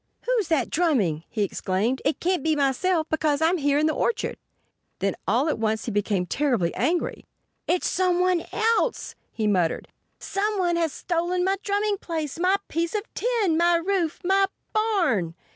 "Who's that drumming?" he exclaimed. "It can't be myself, because I'm here in the orchard." Then all at once he became terribly angry. "It's somebody else!" he muttered. "Somebody has stolen my drumming place—my piece of tin—my roof—my barn!"